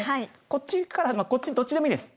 こっちからこっちどっちでもいいです。